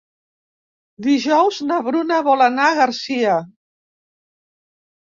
Dijous na Bruna vol anar a Garcia.